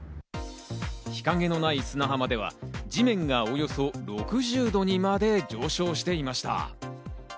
日陰のない砂浜では、地面がおよそ６０度にまで上昇していました。